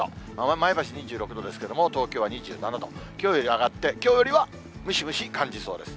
前橋２６度ですけれども、東京は２７度、きょうより上がって、きょうよりはムシムシ感じそうです。